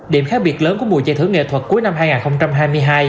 điểm khác biệt lớn của mùa giải thưởng nghệ thuật cuối năm hai nghìn hai mươi hai